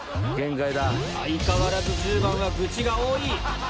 相変わらず１０番は愚痴が多い。